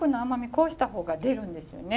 こうした方が出るんですよね。